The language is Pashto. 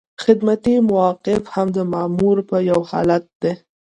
خدمتي موقف هم د مامور یو حالت دی.